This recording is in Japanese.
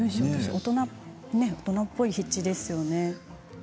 大人っぽい筆致ですよね。